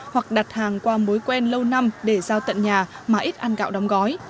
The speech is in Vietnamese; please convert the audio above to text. hoặc đặt hàng qua mối quen lâu năm để giao tận nhà mà ít ăn gạo đóng gói